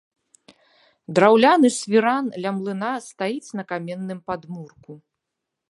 Драўляны свіран ля млына стаіць на каменным падмурку.